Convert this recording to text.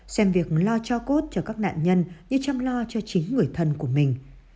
xem việc lo cho cốt cho các nạn nhân như chăm lo cho chính người thân của mình